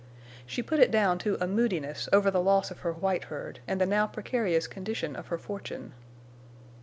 She put it down to a moodiness over the loss of her white herd and the now precarious condition of her fortune.